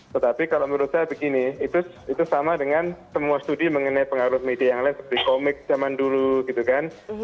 tetapi kalau menurut saya begini itu sama dengan semua studi mengenai pengaruh media yang lain seperti komik zaman dulu gitu kan